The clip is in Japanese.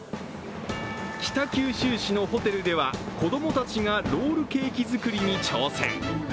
北九州市のホテルでは子供たちがロールケーキ作りに挑戦。